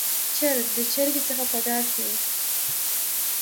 چرګ د چرګې څخه په ډار کې و.